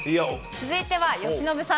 続いては由伸さん。